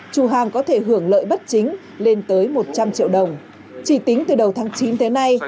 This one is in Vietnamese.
chủ hàng có thể hưởng lợi bất chính lên tới một trăm linh triệu đồng chỉ tính từ đầu tháng chín tới nay